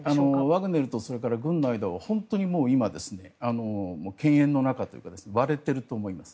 ワグネルと軍の間は本当に今、犬猿の仲というか割れていると思います。